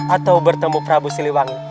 atau bertemu prabu siliwangi